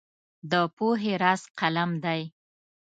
د پوهې راز قلم دی.